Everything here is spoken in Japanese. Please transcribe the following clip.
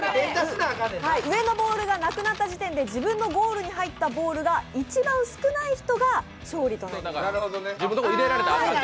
上のボールがなくなった時点で自分のゴールに入ったボールが一番少ない人が勝利となります。